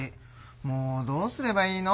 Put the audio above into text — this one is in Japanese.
もうどうすればいいの？